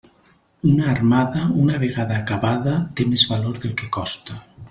Una armada, una vegada acabada, té més valor del que costa.